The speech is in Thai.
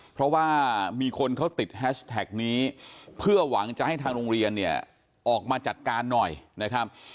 เพราะว่ามีคนเขาติดแฮชแท็กนี้เพื่อหวังจะให้ทางโรงเรียนเนี่ยออกมาจัดการหน่อยนะครับ